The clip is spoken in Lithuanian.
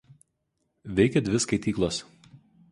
Veikia dvi skaityklos.